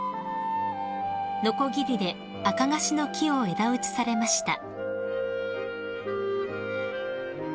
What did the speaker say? ［のこぎりでアカガシの木を枝打ちされました］